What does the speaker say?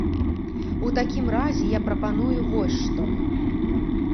У такім разе я прапаную вось што.